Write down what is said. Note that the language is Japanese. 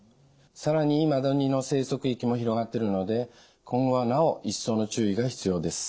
更にマダニの生息域も広がってるので今後はなお一層の注意が必要です。